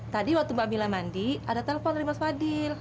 tadi waktu mbak mila mandi ada telepon dari mas fadil